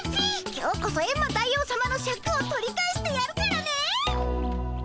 今日こそエンマ大王さまのシャクを取り返してやるからね。